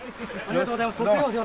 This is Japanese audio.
ありがとうございます。